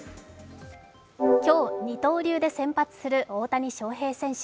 今日二刀流で先発する大谷翔平選手。